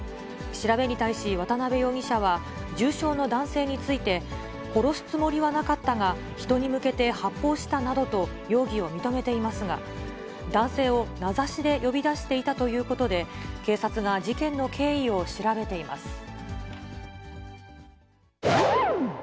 調べに対し、渡辺容疑者は、重傷の男性について、殺すつもりはなかったが、人に向けて発砲したなどと、容疑を認めていますが、男性を名指しで呼び出していたということで、警察が事件の経緯を調べています。